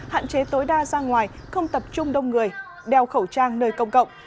hạn chế tối đa ra ngoài không tập trung đông người đeo khẩu trang nơi công cộng